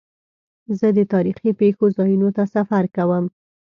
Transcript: زه د تاریخي پېښو ځایونو ته سفر کوم.